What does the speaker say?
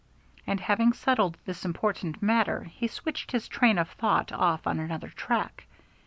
And having settled this important matter he switched his train of thought off on another track.